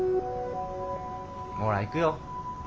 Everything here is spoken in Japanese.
ほら行くよ。